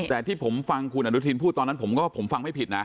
แต่ที่ผมฟังคุณอนุทินพูดตอนนั้นผมก็ว่าผมฟังไม่ผิดนะ